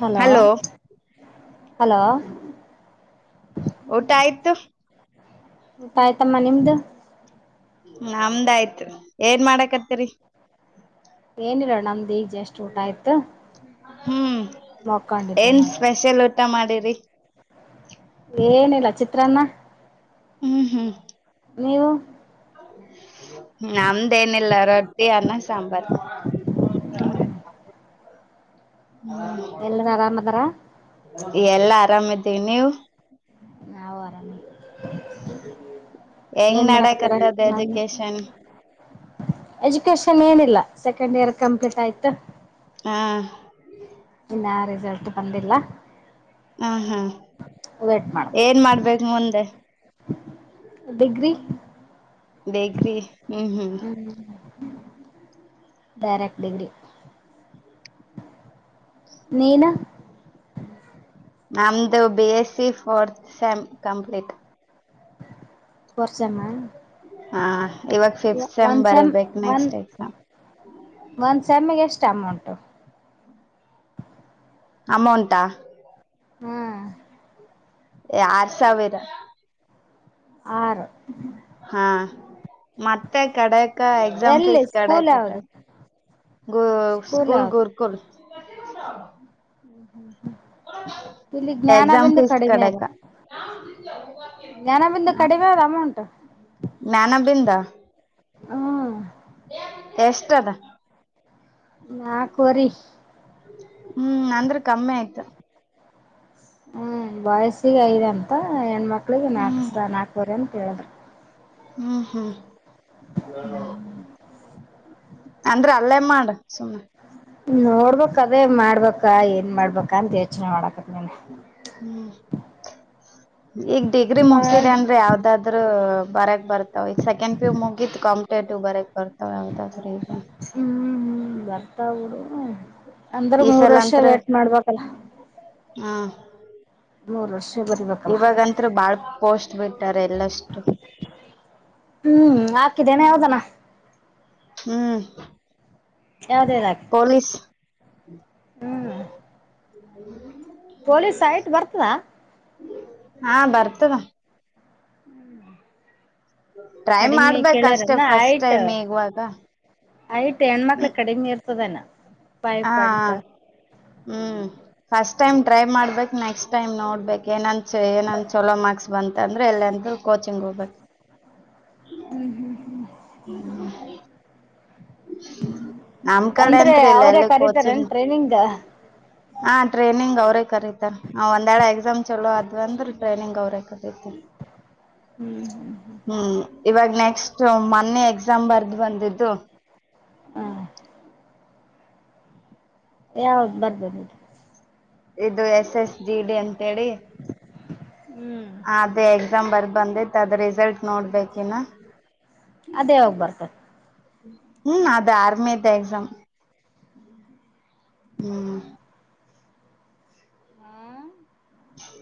Hello hello ಊಟಾ ಆಯ್ತು ಊಟಾ ಆಯ್ತಮ್ಮ ನಿಮ್ದು ನಮ್ದ ಆಯ್ತ್ರಿ ಏನ್ ಮಾಡಾಕತ್ತರಿ ಏನಿಲ್ಲಾ ನಮ್ದು ಈಗ ಜಷ್ಟ ಊಟಾ ಆಯ್ತು ಹ್ಮ್ ಮಕೊಂಡಿದ್ದೆ ಏನ್ ನೋಡ ಸ್ಪೆಷಲ್ ಊಟಾ ಮಾಡಿರಿ ಏನಿಲ್ಲಾ ಚಿತ್ರಾನ್ನ ಹುಂ ಹುಂ ನೀವು ನಮ್ದೇನಿಲ್ಲ ರೊಟ್ಟಿ ಅನ್ನಾ ಸಾಂಬಾರ್ ಹ್ಮ ಎಲ್ಲರ ಆರಾಮದಾರ ಎಲ್ಲಾ ಆರಾಮಿದ್ದಿವಿ ನೀವ್ ನಾವು ಆರಾಮ್ ಇದ್ದೀವಿ ಹೆಂಗ್ ಏನ್ ಮಾಡಾಕತರ ನಡಕತ್ತದ ನಾದ್ನಿ ಎಜುಕೇಶನ್ ಎಜುಕೇಶನ್ ಏನಿಲ್ಲಾ ಸೆಕೆಂಡ್ ಇಯರ್ ಕಂಪ್ಲೀಟ್ ಆಯ್ತು ಹಾ ಇನ್ನಾ ರಿಸಲ್ಟ್ ಬಂದಿಲ್ಲಾ ಹುಂ ಹುಂ ವೇಟ್ ಮಾಡ್ಬೇಕು ಏನ್ ಮಾಡ್ಬೇಕ ಮುಂದೆ ಡಿಗ್ರಿ ಬೇಕ್ರಿ ಹುಂ ಹುಂ ಹುಂ ಡೈರೆಕ್ಟ್ ಡಿಗ್ರಿ ನೀನ ನಮ್ದು B S C fourth sem complete fourth sem ಹಾ ಹಾ ಇವಾಗ ಫಿಫ್ತ್ ಸೆಮ್ ಬರಿಬೇಕ್ ನೆಕ್ಸ್ಟ್ ಎಕ್ಸಾಮ್ ಒಂದ್ ಸೆಮ್ ಗೆ ಎಷ್ಟು ಅಮೌಂಟು ಅಮೌಂಟಾ ಹುಂ ಆರು ಸಾವಿರ. ಆರು. ಹಾ ಮತ್ತೆ ಕಡೇಕ ಎಕ್ಸಾಮ್ ಎಲ್ಲಿ ಫೀಸ್ ಕಡೈ ಸ್ಕೂಲ್ ಕತ. ಯಾವ್ದು ಗು ಸ್ಕೂಲ್ ಗುರುಕುಲ್. ಹ್ಮ್ ಹ್ಮ್ ಹ್ಮ್ ಇಲ್ಲಿ ಎಕ್ಸಾಮ್ ಜ್ಞಾನಬಿಂದು ಫೀಸ್ ಕಡಿಮೆ ಅದ. ಕಡಕ ಜ್ಞಾನ ಬಿಂದು ಕಡಿಮೆ ಆದಾವ್ ಅಮೌಂಟ್. ಜ್ಞಾನ ಬಿಂದಾ. ಹ್ಮ್- ಎಷ್ಟ ಅದ. ನಾಕುವರಿ. ಹ್ಮ್ ಅಂದ್ರೆ ಕಮ್ಮಿ ಆಯ್ತು. ಹ್ಮ್ ಬಾಯ್ಸ್ಗೆಐದ ಅಂತ ಹೆಣ್ಮಕ್ಳಿಗೆ ನಾಲ್ಕು ಹ್ಮ್ ಸ ನಾಲ್ಕವರೆ ಅಂತ ಹೇಳ್ದ. ಹ್ಮ್ ಹ್ಮ್- ಅಂದ್ರ ಅಲ್ಲೇ ಮಾಡು ಸುಮ್ನೆ. ನೋಡ್ಬಕ್ ಅದೇ ಮಾಡ್ಬೇಕಾ ಏನ್ ಮಾಡ್ಬೇಕಾ ಅಂತ ಯೋಚನೆ ಮಾಡಕತಿನಿ. ಹ್ಮ್ ಈಗ ಡಿಗ್ರಿ ಮುಗ್ಸಿದ್ರೆ ಮಾಡ್ ಅಂದ್ರೆ ಯಾ. ಅ್ರ ಬರಕ್ ಬರ್ತಾವ ಈಗ ಸೆಕೆಂಡ್ ಪೀಯೂ ಮುಗಿದ ಕಂಪ್ಲೀಟ್ ಬರಕ್ ಬರ್ತಾವ ಯಾವದಾದ್ರೂ ಈಗ. ಹ್ಮ್ ಹ್ಮ್ ಬರ್ತಾವ್ ಬಿಡು ಅಂದ್ರೆ ಈ ಮೂರ್ ಸಲ ವರ್ಷ ಅಂತ್ರ ವೇಟ್ ಮಾಡ್ಬೇಕಲ್ಲ. ಹಾ- ಮೂರು ವರ್ಷ. ಬರಿಬೇಕಲ್ಲ ಇವಗಂತ್ರು ಬಾಳ್ ಪೋಸ್ಟ್ ಬಿಟ್ಟಾರೆ ಎಲ್ಲಷ್ಟು. ಹ್ಮ್ ಹಾಕಿದೇನೆ ಯಾವ್ದಾನ. ಹ್ಮ್- ಯಾವ್ಯಾವ್ದ್ ಆ. ಪೊಲೀಸ್. ಹ್ಮ್-. ಹ- ಪೊಲೀಸ್ ಐಟ್ ಬರ್ತದ. ಹಾ ಬರ್ತದ. ಹ್ಮ ಟ್ರೈ ಕಡಿಮೆ ಮಾಡ್ಬೇಕ ಅಷ್ಟೇ ಕೇಳಾರನಾ ಫಸ್ಟ್ ಆಯ್ತ. ಟೈಮ್ ಇವಾಗ ಆಯ್ತು ಹೆಣ್ಮಕ್ಳ ಹ್ಮ ಕಡಿಮ ಇರ್ತದನ. ಹಾ ಹ್ಮ್ ಫಸ್ಟ್ ಟೈಮ್ ಟ್ರೈ ಮಾಡ್ಬೇಕು. ನೆಕ್ಸ್ಟ್ ಟೈಮ್ ನೋಡ್ಬೇಕು ಏನಂದು ಏನಂದು ಛಲೋ ಮಾರ್ಕ್ಸ್ ಬಂತ ಅಂದ್ರೆ ಎಲ್ಲೆಂದೂ ಕೋಚಿಂಗ್ ಹೋಗಬೇಕು. ಹ್ಮ್ ಹ್ಮ್ ಹ್ಮ್- ಹ್ಮ- ನಮ್ ಕಡೆ ಅಂದ್ರೆ ಅಂತ್ರು ಇಲ್ಲ ಅವ್ರೇ ಎಲ್ಲಿ ಕೋಚಿಂಗ್. ಕರಿತಾರೇನ್ ಟ್ರೈನಿಂಗ್ ಹ ಹಾ ಟ್ರೈನಿಂಗ್ ಅವ್ರೇ ಕರೀತಾರ ಒಂದೆರಡ ಎಕ್ಸಾಮ್ ಚಲೋ ಅದ್ ಅಂದ್ರೆ ಟ್ರೈನಿಂಗ್ ಅವ್ರೇ ಕರೀತ. ಹ್ಮ್ ಹ್ಮ್- ಹ್ಮ್ ಇವಾಗ ನೆಕ್ಸ್ಟ್ ಮೊನ್ನೆ ಎಕ್ಸಾಮ್ ಬರ್ದು ಬಂದಿದ್ದು. ಯಾವ್ ಬರ್ಬೋದು. ಇದು ಎಸ್ ಎಸ್ ಜಿ ಡಿ ಅಂತೇಳಿ ಹ್ಮ್ ಅದೇ. ಎಕ್ಸಾಮ್ ಬರ್ ಬಂದಿತ್ತು ಅದ ರಿಸಲ್ಟ್ ನೋಡ್ಬೇಕಿನ. ಅದೇ ಯಾವಾಗ್ ಬರ್ತದೆ. ಹ್ಮ್ ಅದು ಆರ್ಮಿ ಎಕ್ಸಾಮ್. ಹ್ಮ್- ಹ್ಮ್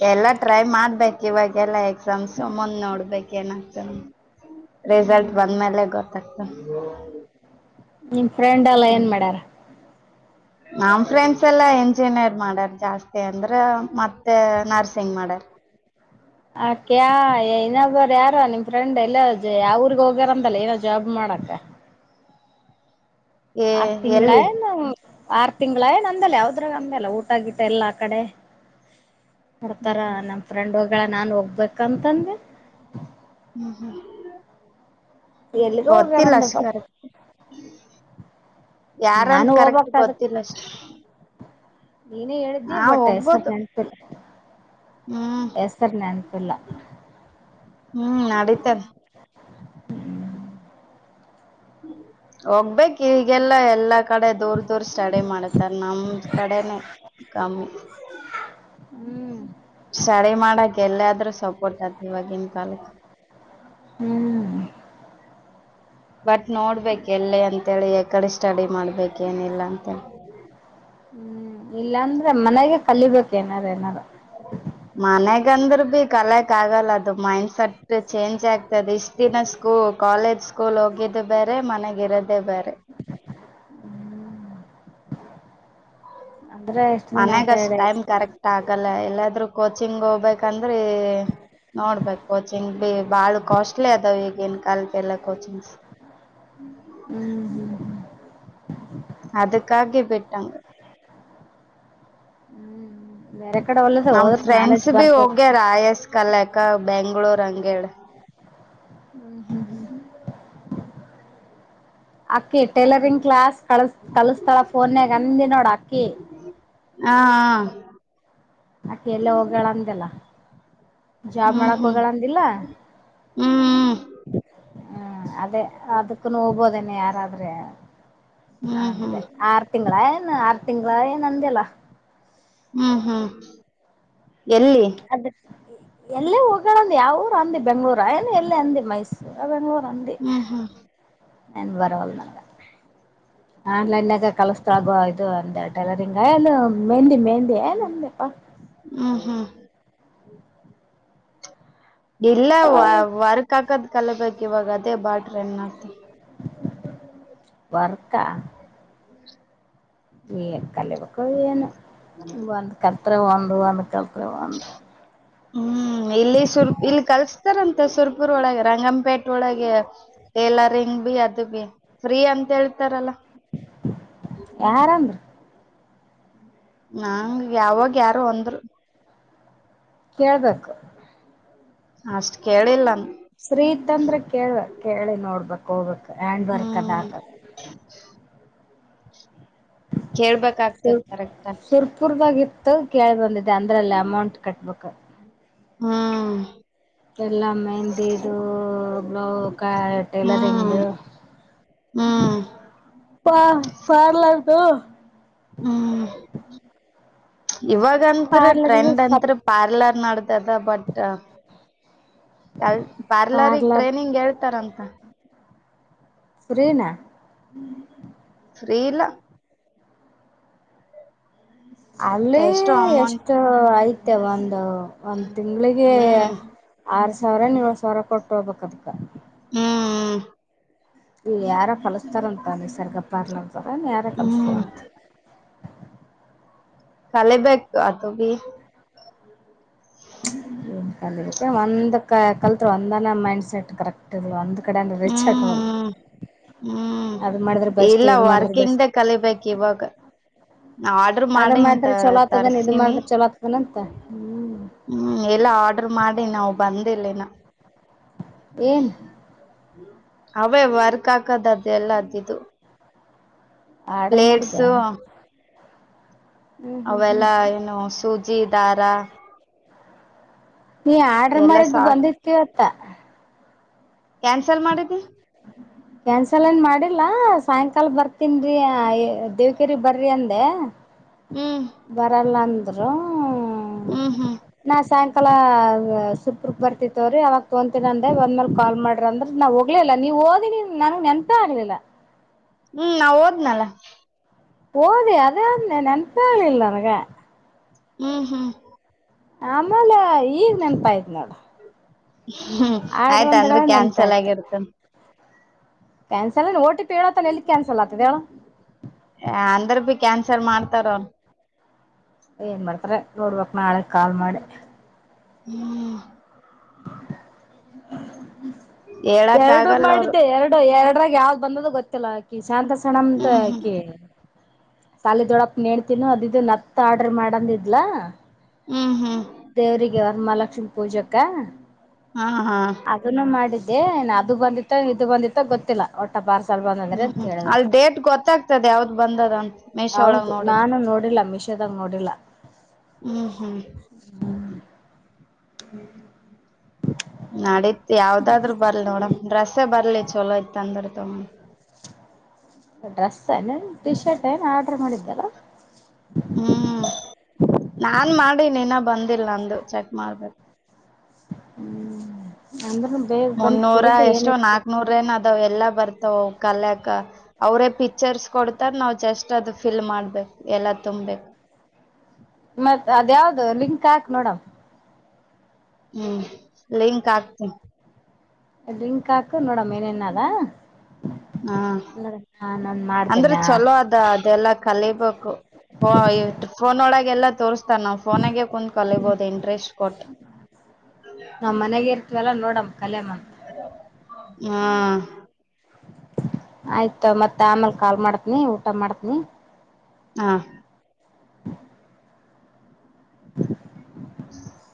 ಎಲ್ಲಾ ಟ್ರೈ ಮಾಡ್ಬೇಕೂ ಇವಾಗೆಲ್ಲಾ ಎಕ್ಸಾಮ್ಸ್ ಮುಂದ್ ನೋಡ್ಬೇಕೂ ಏನಾಗ್ತದೆ ರಿಸಲ್ಟ್ ಹ್ಮ್ ಬಂದ್ಮೇಲೆ ಗೊತ್ತಾಗ್ತದೆ ನಿಮ್ ಫ್ರೆಂಡ್ ಎಲ್ಲಾ ಏನ್ ಮಾಡ್ಯಾರ ನಮ್ ಫ್ರೆಂಡ್ಸ್ ಎಲ್ಲಾ ಇಂಜಿನಿಯರ್ ಮಾಡಾರ್ ಜಾಸ್ತಿ ಅಂದ್ರ ಮತ್ತೆ ನರ್ಸಿಂಗ್ ಮಾಡ್ಯಾರ್ ಹ ಅಕ್ಯಾ ಇನ್ನೊಬ್ಬರ ಯಾರ ನಿಮ್ ಫ್ರೆಂಡ್ ಎಲ್ಲ ಯಾವ ಊರಿಗೋ ಹೋಗ್ಯಾರಂತಲ್ಲ ಏನೋ ಜಾಬ್ ಮಾಡಕ ಏ ಆರು ತಿಂಗಳ ಎಲ್ಲಿ ಏನು ಆರು ತಿಂಗಳ ಏನೋ ಆಂದಲ್ಲ ಯಾವ್ದ್ರಾಗ ಅಂದೆಲ್ಲ ಊಟ ಗಿಟ್ಟ ಎಲ್ಲ ಆ ಕಡೆ ಕೊಡ್ತಾರ ನಮ್ ಫ್ರೆಂಡ್ ಹೊಗಳ ನಾನ್ ಹೋಗ್ಬೇಕಂತಂದ ಹ್ಮ್ ಹ್ಮ್ ಎಲ್ಲಿಗ ಗೊತ್ತಿಲ್ಲ ಅಷ್ಟ ಹೋಗ್ಯಾರಂದಪ್ಪ ಯಾರಂತ ನಾನು ಕರೆಕ್ಟ್ ಹೋಗ್ಬಕ್ ಅದಕ್ ಗೊತ್ತಿಲ್ಲಷ್ಟ ನೀನೇ ಹೇಳಿದ್ದಿ ಬಟ್ ಹೆಸರು ಹೋಗ್ಬೋದು ನೆನಪಿಲ್ಲ ಹ್ಮ್ ಹೆಸರು ನೆನಪಿಲ್ಲ ಹ್ಮ್ ನಡೀತೇನೆ ಹ್ಮ್ [inaudible] ಹೋಗ್ಬೇಕ ಈಗೆಲ್ಲಾ ಎಲ್ಲ ಕಡೆ ದೂರ್ ದೂರ್ ಸ್ಟಡಿ ಮಾಡತಾರ ನಮ್ ಕಡೆನೆ ಕಮ್ಮಿ ಹ್ಮ್ ಸ್ಟಡಿ ಮಾಡಕ್ ಎಲ್ಲಾದ್ರೂ ಸಪೋರ್ಟ್ ಆದ ಇವಾಗಿನ್ ಕಾಲಕ್ಕೆ ಹ್ಮ್ ಬಟ್ ನೋಡ್ಬೇಕೂ ಎಲ್ಲಿ ಅಂತೇಳಿ ಯ ಕಡೆ ಸ್ಟಡಿ ಮಾಡ್ಬೇಕ ಏನಿಲ್ಲ ಅಂತಿ ಹ್ಮ್ ಇಲ್ಲಾಂದ್ರೆ ಮನೆಗೆ ಕಲಿಬೇಕ ಏನಾರ ಏನಾರು ಮನೆಗಂದ್ರ ಭೀ ಕಲೆಕ್ ಆಗಲ್ಲ ಅದು ಮೈಂಡ್ಸೆಟ್ ಚೇಂಜ್ ಆಗ್ತದೆ ಇಷ್ಟ ದಿನ ಸ್ಕೂಲು ಕಾಲೇಜ್ ಸ್ಕೂಲ್ ಹೋಗಿದ್ದ ಬೇರೆ ಮನೆಗೆ ಇರೋದೇ ಬೇರೆ ಹ್ಮ ಅಂದ್ರೆ ಎಷ್ಟು ದಿನ ಅಡ್ಡ ಮನ್ಯಾಗಷ್ಟ್ ಟೈಮ್ ಕರೆಕ್ಟ್ ಆಗಲ್ಲ ಎಲ್ಲಾದ್ರೂ ಕೋಚಿಂಗ್ ಹೋಗ್ಬೇಕಂದ್ರಿ ನೋಡ್ಬೇಕೂ ಕೋಚಿಂಗ್ ಬಿ ಬಾಳ ಕಾಸ್ಟ್ಲಿ ಅದಾವ ಈಗಿನ ಕಾಲಕ್ಕೆಲ್ಲ ಕೋಚಿಂಗ್ಸ್ ಹ್ಮ್ ಹ್ಮ್ ಅದಕ್ಕಾಗ ಬಿಟ್ಟಾಂಗ ಹ್ಮ್ ಬೇರೆ ಕಡೆ ಒಲ್ಲದ್ರೆ ಹೋದ್ರ ನಾಲೆಜ್ ಬರ್ತದೆ ರಾಯಸ್ ಕಲಕ ಬೆಂಗಳೂರು ಅಂಗೇಳ ಹ್ಮ್ ಹ್ಮ್ ಹ್ಮ್ ಹ್ಮ ಆಕೀ ಟೇಲರಿಂಗ್ ಕ್ಲಾಸ್ ಕಳ ಕಲಿಸ್ತಾಳ ಫೊನ್ನಾಗ ಅಂದ ನೋಡ ಆಕೀ ಹಾ ಹ ಅಕೆ ಎಲ್ಲೋ ಹೋಗಳ ಅಂದಲ್ಲ ಜಾಬ್ ಹ್ಮ್ ಮಾಡಕ್ ಹ್ಮ್ ಹೋಗಳ ಅಂದಿಲ್ಲ ಹ್ಮ್ ಹ್ಮ ಅದೇ ಅದಕ್ಕನು ಹೋಗ್ಬೋದೇನೆ ಯಾರಾದ್ರೆ ಹ್ಮ್ ಅಂದೆ ಹ್ಮ್ ಆರು ತಿಂಗಳ ಏನು ಆರು ತಿಂಗಳ ಏನ್ ಅಂದಿಲ್ಲಾ ಹ್ಮ್ ಹ್ಮ್ ಎಲ್ಲಿ ಅದ ಎಲ್ಲೇ ಹೋಗಾರ ಅಂದ ಯಾವ ಊರು ಅಂದ ಬೆಂಗಳೂರು ಏನ ಎಲ್ಲೇ ಅಂದ ಮೈಸೂರ ಬೆಂಗಳೂರು ಅಂದ ಹ್ಮ್ ಹ್ಮ್ ಏನ್ ಬರಲ್ಲ ನಲ್ಲ ಆನ್ಲೈನಗ ಕಲಸತಾಗೋ ಇದು ಒಂದ ಟೈಲರಿಂಗ್ ಏನು ಮೆಹಂದಿ ಮೆಹಂದಿ ಏ ನಂದಪಾ ಹ್ಮ್ ಹ್ಮ್ ಇಲ್ಲ ವರ್ಕ್ ಹಾಕದ್ ಕಲಬೇಕಕ್ ಇವಾಗ ಅದೇ ಬಾಟ್ರ ಎನ್ ಆ್ತಿ. ವರ್ಕ. ಈ ಕಲಿಬೇಕು ಏನು ಒಂದ್ ಕಲ್ತ್ ಒಂದು ಒಂದ್ ಕಲ್ತ್ ಒಂದು್. ಹ್ಮ್ ಇಲ್ಲಿ ಸುರ್ ಇಲ್ಲಿ ಕಲ್ಸ್ತಾರಂತ ಸುರ್ಪುರ್ ಒಳಗೆ ರಂಗಂಪೇಟೆ ಒಳಗೆ. ಟೇಲರಿಂಗ್ ಬಿ ಅದು ಬಿ ಫ್ರೀ ಅಂತ ಹೇಳ್ತಾರಲ್ಲ. ಯಾರಂದ್ರೀ. ನಂಗ ಯಾವಾಗ ಯಾರು ಅಂದ್ರು. ಕೇಳ್ಬೇಕು. ಅಷ್ಟ್ ಕೇಳಿಲ್ಲ. ಫ್ರೀ ಅಂದ್ರೆ ಕೇಳ ಕೇಳಿ ನೋಡ್ಬೇಕಕ್ ಹೋಗ್ಬೇಕಕ್ ಹ್ಯಾಂಡ್ ವರ್ಕ್ ಅದ ಹ್ಮ್ ಆಕದ. [unintelligible] ಕೇಳ್ಬೇಕಾಗ್ತದ ಕರೆಕ್ಟ್ಾಗಿ. ಪೂರ್ವಾಗಿ ಇತ್ತು ಕೇಳ ಬಂದಿದೆೆ ಅಂದ್ರಲ್ಲ ಅಮೌಂಟ್ ಕಟ್ಬೇಕು. ಹ್ಮ- ಎಲ್ಲ ಮೆಹಂದಿ ಇಿದ ಬ್ಲೌ. [unintelligible] ಟೈಲರಿಂಗ ಹ್ಮ್ ಹ್ಮ್ ಪ ಪಾರ್ಲರ್ದು. ಹ್ಮ್- ಇವಾಗತ್್ರ ಪಾರ್ಲರ್ದು ಟ್ರೆಂಡ್ ಸಪ್ ಅಂತ್ರ ಪಾರ್ಲರ್ ನಡತದ ಬಟ್. ಅ ಪಾರ್ಲರಿ ಪಾರ್ಲರ್ ಟ್ರೈನಿಂಗ್ ಹೇಳ್ತಾರಂತ. ಫ್ರೀನ. ಫ್ರೀ ಇಲ್ಲ. ಅಲ್ಲಿ ಎಷ್ಟು ಅಮೌಂಟ್ ಎಷ್ಟು ಐತೆ ಒಂದು ಒಂದ್ ತಿಂಗಗಳಿಗೆ. ಹ್ಮ್ ಆರ್ ಸಾವಿರ ಏಳು ಸಾವಿರ ಕೊಟ್ಟ ಹೋಗಬೇಕಕ್ ಅದಕ್ಕ. ಹ್ಮ್ ಹ್ಮ- ಇಲ್ಲ ಯಾರೋ ಕಲಸ್ತಾರಂತ ನೀಸರ್ಗಪ್ಪಾರ್ಲ ಅಂತಾರ ಯಾರ ಹ್ಮ್ ಕಲಸ್ತಾರಂತ. ಕಾಲೆ ಬಗ ಅತ ಬಿ. ೆ ಒಂದ ಕಲ್ತ್ ಒಂದನ ಮೈಂಡ್ ಸೆಟ್ ಕರೆಕ್ಟ್ ಅ ಅಂದು ಕಡೆಲ್ಲ. [inaudible] ಹ್ಮ್ ಹ್ಮ್ ಬೆಸ್ಟ್ ಇಲ್ಲ ಇದ್ ಮಾಡಿದ್ರೆ ಬೆಸ್ಟ್ ವರ್ಕಿಂಗ್ ಕಲಿಬೇಕು ಇವಾಗ. ಆರ್ಡ್ರ ಅದ ಮಾಡ ಇಂತ ಮಾಡಿದ್ರೆ ಚಲೋ ಆತದನ್ ಇದ್ ತರ್ಸೀಿನಿ. ಮಾಡಿದ್ರೆ ಚಲೋ ಆತದನಂತ ಹ್ಮ್ ಎಲ್ಲ ಆರ್ಡರ್ ಮಾಡಿ ನಾವವು ಬಂದಿಲ್ಲನ. ಏನ್ ಅವೇ ವರ್ಕ್ ಹಾಕದ ಅದ ಎಲ್ಲದ್ದು. ಆರ್ಡರ್ ಮಾಡಿದ್ದೆ ಪ್ಲೇಟ್ಸು. ಅವೆಲ್ಲ ಏನು ಸೂಜಿ ದಾರ. ನೀ ಆರ್ಡ್ರ ಎಲ್ಲ ಮಾಡಿದ್ದು ಸಾಟ್ ಬಂದಿರ್ತಿೀವತ್ತ. ಕ್ಯಾನ್ಸಲ್ ಮಾಡಿದ್ದ. ಕ್ಯಾನ್ಸಲ್ ಏನ್ ಮಾಡಿಲ್ಲ ಸಾಯಂಕಾಲ ಬರ್ತನ್ರಿ ದೇವಕೇರಿ ಬರ್ರಿ ಅಂದೆ. ಹ್ಮ್- ಬರಲ್ಲಂದರುೂ. ಹ್ಮ್ ಹ್ಮ್- ನಾ ಸಾಯಂಕಾಲ ಸುರ್ಪುರ್ಕ್ ಬರ್ತತವ್ರಿ ಅವಾಗ ತೊಂತಿನ ಅಂದ ಒಂದ್ೇಲೆ ಕಾಲ್ ಮಾಡ್ರಿ ಅಂದ್ರ. ನಾ ಹೋಗಲಿಲ್ಲಾ ನೀವು ಓದಿ ನಂಗೆ ನೆನ್ಂತ ಆಗ್ಲಿಲ್ಲ. ಹ್ಮ್ ನಾವ್ ಓದ್ನಲ್ಲ. ಹೋದ ಅದೇಂದೆ ನನ್ಪಿಲ್ಲನಗೆ. ಹ್ಮ್ ಹ್ಮ್- ಆಮೇಲೆ ಈಗ ನೆನ್ಪ ಆಯ್ತ ನೋಡ. ಹ್ಮ್ ಆಯ್ತ ಅಂದ್ರೆ ಕ್ಯಾನ್ಸಲ್ ನೆನಪಾಯ್ತು ಆಗಿರ್ತದ. ಕ್ಯಾನ್ಸಲ್ ಓ ಟಿ ಪೀ ಹೇಳೋತನ ಎಲ್ಲಿ ಕ್ಯಾನ್ಸಲ್ ಆತದ ಹೇಳ. ಯಾ ಅಂದ್ರ ಬಿ ಕ್ಯಾನ್ಸಲ್ ಮಾಡ್ತಾರ ಅವ್ರ. ಏನ್ ಮಾಡ್ತಾರೆ ನೋಡ್ಬಕ್ ನಾಳೆ ಕಾಲ್ ಮಾಡಿ. ಹ್ಮ್. ಹೇಳಕ್ ಎರಡು ಆಗಲ್ಲ ಅವರು ಮಾಡಿದ್ದೆ ಎರಡ್ ಎಡ ಎರಡರ್ಗ ಯಾವ್ದ್ ಬಂದದ ಗೊತ್ತಿಲ್ಲ. ಅಕಿ ಶಾಂತ ಸಣಮ್ದ ಹ್ಮ್ ಹ್ಮ್ ಅಕಿ, ಸಾಲಿ ದೊಡಪ್ಪ ನೇಣ್ತಿನು ಅದು ಇದು ನತ್ತ ಆರ್ಡರ್ ಮಾಡ ಅಂದಿದ್ಲಾ. ಹ್ಮ್, ಹ್ಮ್ ದೇವ್ರರಿಗೆ ವರಮಹಾಲಕ್ಷ್ಮಿ ಪೂಜಕ. ಹಾ ಹಾ. ಅದನ್ನು ಮಾಡಿದ್ದೆ ನ್ ಅದು ಬಂದಿತ್ತ ಇದು ಬಂದಿತ್ತ ಗೊತ್ತಿಲ್ಲ. ಒಟ್ಟ ಪಾರ್ಸಲ್ ಬಂದಂದ್ರಿ ಹ್ಮ್ ಅಂತ ಹ್ಮ್ ಹೇಳಿದ್ರ ಅಲ್ಲಿ ಡೇಟ್ ಗೊತ್ತಾಗ್ತದೆ ಯಾವ್ದ್ ಬಂದದ ಅಂತ ಮೀಶೋ ಒಳಗ್ ಹೌದು ನೋಡಿದ್ರೆ ನಾನು ನೋಡಿಲ್ಲ. ಮಿ ಮೀಶೋದಗ ನೋಡಿಲ್ಲ. ಹ್ಮ್ ಹ್ಮ್. [inaudible] [inaudible] ನಡೀತ್ ಯಾವ್ದಾದ್ರು ಬರ್ಲಿ ನೋಡಮ್ ಡ್ರೆಸ್ಸೇ ಬರ್ಲಿ ಚಲೋ ಇತ್ತ ಅಂದ್ರ ತಗೋಮ್. ಡ್ರೆಸ್ ಅನ್ ಟಿ ಶರ್ಟ್ ಏನ್ ಆರ್ಡರ್ ಮಾಡಿದ್ದಲ್ಲ. ಹ್ಮ್ ನಾನ್ ಮಾಡಿ ಇನಾ ಬಂದಿಲ್ಲ ನಂದು ಚೆಕ್ ಮಾಡ್ಬೇಕ. ಹ್ಮ್ ಅಂದ್ರನು ಬೇಗ ಬಂತ್ ಬಿಡುದು ಏನ್ ಇತ್ತ. ಅವೆಲ್ಲಾ ಬರ್ತಾವ್ ಅವು ಕಲ್ಯಕ. ಅವ್ರೇ ಪಿಕ್ಚರ್ಸ್ ಕೊಡ್ತಾರ ನಾವ್ ಜಸ್ಟ್ ಅದು ಫಿಲ್ ಮಾಡ್ಬೇಕು ಎಲ್ಲ ತುಂಬ್ಬೇಕ. ಮತ್ ಅದ ಯಾವ್ದು ಲಿಂಕ್ ಹಾಕ್ ನೋಡಮ್. ಹ್ಮ್ ಲಿಂಕ್ ಹಾಕ್ತಿನಿ. ಡ್ರಿಂಕ್ ಹಾಕು ನೋಡಮ್ ಏನೇನ್ ಆದ. ಹಾ ಹಾ ನಾನ್ ಅಂದ್ರ ಮಾಡ್ತೀನಿ ಹಾ. ಚಲೋ ಅದ ಅದೆಲ್ಲಾ ಕಲಿಬೇಕು ಫೋನ್ ಒಳಗೆ ಎಲ್ಲಾ ತೋರ್ಸ್ ಸರ್ ನಾವು ಫೋನಾಗೆ ಕುಂತ್ ಕಲಿಬಹುದು ಇಂಟ್ರೆಸ್ಟ್ ಕೊಟ್ಟ. ನಾವನ್ ಮನೆಗ ಇರ್ತವಿಲ್ಲಾ ನೋಡಮ ಕಲೆಮ ಅಂತ. ಹ್ಮ. ಆಯ್ತತೊ ಮತ್ತ್ ಆಮೇಲ್ ಕಾಲ್ ಮಾಡ್ತ್ನಿ ಊಟ ಮಾಡ್ತ್ನಿ. ಹಾ. [inaudible] [inaudible]